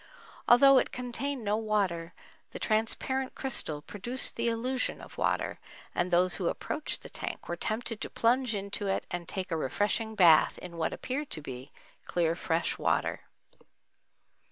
Although it contained no water, the transparent crystal produced the illusion of water, and those who approached the tank were tempted to plunge into it and take a refreshing bath in what appeared to be clear, fresh water.